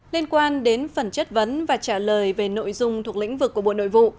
liên quan đến phần chất vấn và trả lời về nội dung thuộc lĩnh vực của bộ nội vụ